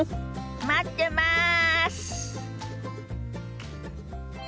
待ってます！